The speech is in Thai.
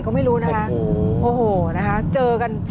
ก็เป็นอีกหนึ่งเหตุการณ์ที่เกิดขึ้นที่จังหวัดต่างปรากฏว่ามีการวนกันไปนะคะ